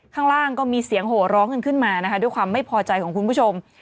ข้างล่างก็มีเสียงโหร้องกันขึ้นมานะคะด้วยความไม่พอใจของคุณผู้ชม